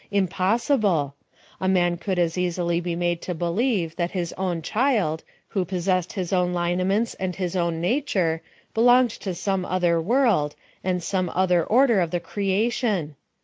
Impossible ! A man could as easily be made to believe that his own child, who possessed his own lineaments, and his own nature, belonged to s(^me other world, an(J PLAN OF SALVATION. 61 some other order of the creation.